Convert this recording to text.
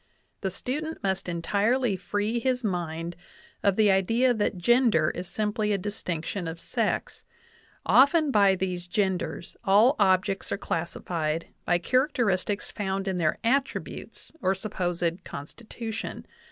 The student must entirely free his mind of the idea that gender is simply a distinction of sex. Often by these genders all objects are classified by character istics found in their attributes or supposed constitution.